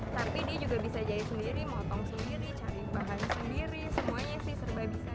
tapi dia juga bisa jahit sendiri motong sendiri cari bahan sendiri semuanya sih serba bisa